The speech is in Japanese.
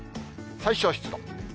最小湿度。